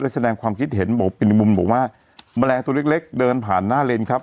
แล้วแสดงความคิดเห็นแบบเป็นอยู่ทีหมึ่งผมว่าแบรนด์ตัวเล็กเดินผ่านหน้าเลนครับ